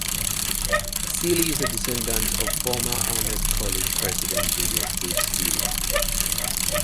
Seelye is a descendent of former Amherst College president Julius H. Seelye.